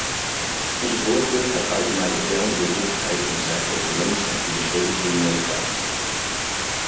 Onze voorkeur gaat uit naar de term bevoegdheid inzake economische en financiële criminaliteit.